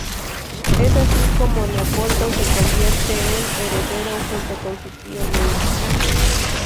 Es así como Leopoldo se convierte en heredero junto con su tío Luis.